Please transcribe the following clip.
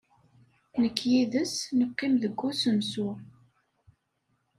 Nekk yid-s neqqim deg usensu.